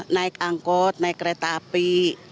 naik angkot naik kereta api